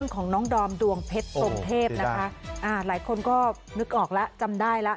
ของน้องดอมดวงเพชรทรงเทพนะคะอ่าหลายคนก็นึกออกแล้วจำได้แล้ว